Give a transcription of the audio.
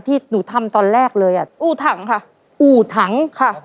ที่หนูทำตอนแรกเลยอ่ะอู้ถังค่ะอู่ถังค่ะ